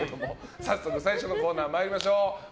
早速最初のコーナー参りましょう。